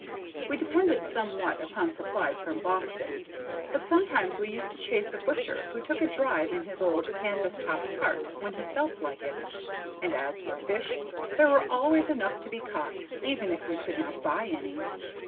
We depended somewhat upon supplies from Boston, but sometimes we used to chase a butcher who took a drive in his old canvas topped cart when he felt like it, and as for fish, there were always enough to be caught, even if we could not buy any.